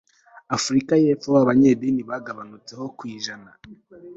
afurika y epfo b abanyedini bagabanutseho ku ijana